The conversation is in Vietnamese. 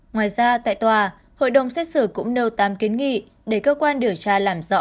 ngoài ra tại tòa hội đồng xét xử cũng nêu tám kiến nghị để cơ quan điều tra làm rõ